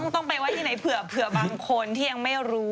ต้องไปไว้ที่ไหนเผื่อบางคนที่ยังไม่รู้